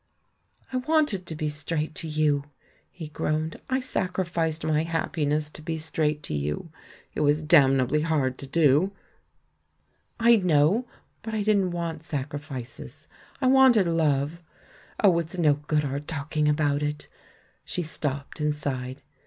"I wanted to be straight to you," he groaned. "I sacrificed my happiness to be straight to you ■— it was damnably hard to do." 16 THE MAN WHO UNDERSTOOD WOMEN "I know. But I didn't want sacrifices — I wanted love. ... Oh, it's no good our talking about it!" She stopped, and sighed.